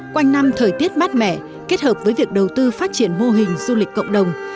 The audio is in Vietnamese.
quanh năm thời tiết mát mẻ kết hợp với việc đầu tư phát triển mô hình du lịch cộng đồng